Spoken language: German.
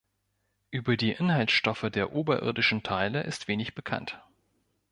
Über die Inhaltsstoffe der oberirdischen Teile ist wenig bekannt.